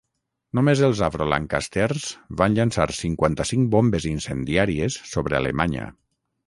Només els Avro Lancasters van llançar cinquanta-cinc bombes incendiàries sobre Alemanya.